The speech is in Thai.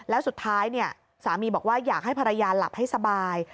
แล้วสุดท้ายสามีบอกว่าอยากให้ภรรยาหลับให้สบาย